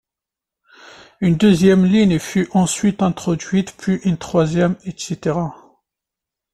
Une deuxième ligne fut ensuite introduite, puis une troisième, etc.